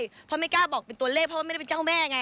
เพราะไม่กล้าบอกเป็นตัวเลขเพราะว่าไม่ได้เป็นเจ้าแม่ไง